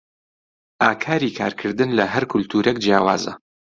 ئاکاری کارکردن لە هەر کولتوورێک جیاوازە.